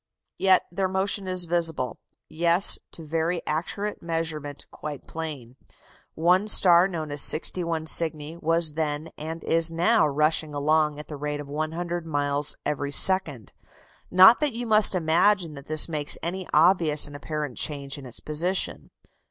Yet their motion is visible yes, to very accurate measurement quite plain. One star, known as 61 Cygni, was then and is now rushing along at the rate of 100 miles every second. Not that you must imagine that this makes any obvious and apparent change in its position.